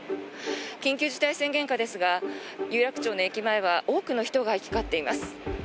緊急事態宣言下ですが有楽町の駅前は多くの人が行き交っています。